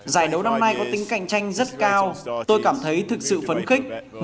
giải đấu năm nay có tính cạnh tranh rất cao tôi cảm thấy thực sự phấn khích